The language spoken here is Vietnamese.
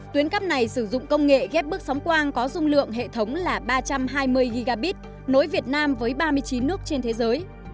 tuyến cắp này sử dụng công nghệ ghép bức sóng quang có dung lượng hệ thống là ba trăm hai mươi gigabit nối việt nam với ba mươi chín nước trên thế giới